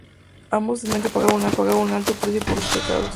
Ambos tendrán que pagar un alto precio por sus pecados.